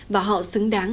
và họ xứng đáng